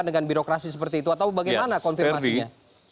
dengan birokrasi seperti itu atau bagaimana konfirmasinya